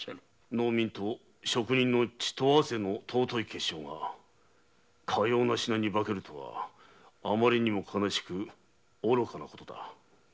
農民と職人の血と汗の尊い結晶がかような品に化けるとはあまりにも悲しく愚かなことだ。